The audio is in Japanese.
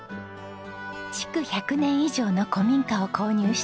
築１００年以上の古民家を購入して改装。